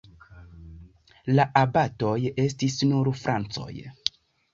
La abatoj estis nur francoj.